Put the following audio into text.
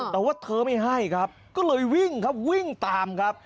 แต่ว่าเธอไม่ให้ครับก็เลยวิ่งครับวิ่งตามครับ